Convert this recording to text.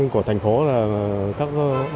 của thành phố là các